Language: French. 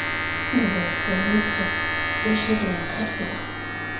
Ils ont pour mission de gérer un restaurant.